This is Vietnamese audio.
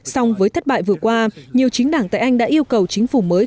song với thất bại vừa qua nhiều chính đảng tại anh đã yêu cầu chính phủ mới